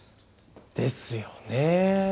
ですよね。